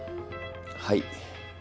はい。